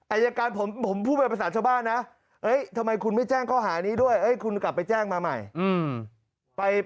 อายการผมพูดเป็นภาษาชาวบ้านนะทำไมคุณไม่แจ้งข้อหานี้ด้วยคุณกลับไปแจ้งมาใหม่